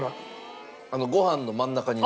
ご飯の真ん中に。